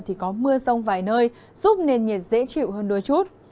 thì có mưa rông vài nơi giúp nền nhiệt dễ chịu hơn đôi chút